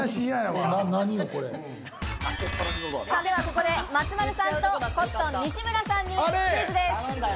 ではここで松丸さんとコットン・西村さんにクイズです。